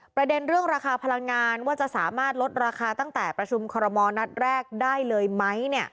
ประเด็นเรื่องราคาพลังงานว่าจะสามารถลดราคาตั้งแต่ประชุมคอรมอลนัดแรกได้เลยไหม